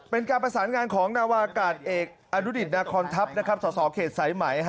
เป็นการประสานงานของนาวากาศเอกอนุดิตนาคอนทัพสสเขตสายไหม